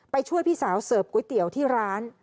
ช่วยพี่สาวเสิร์ฟก๋วยเตี๋ยวที่ร้าน